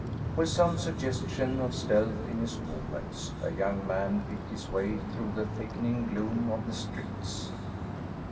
With some suggestion of stealth in his movements, a young man picked his way through the thickening gloom of the streets.